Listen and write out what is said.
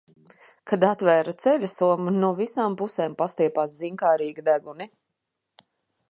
Kad atvēru ceļasomu, no visām pusēm pastiepās ziņkārīgi deguni.